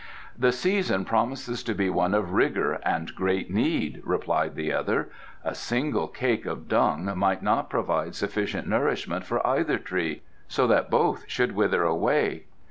"The season promises to be one of rigour and great need," replied the other. "A single cake of dung might not provide sufficient nourishment for either tree, so that both should wither away.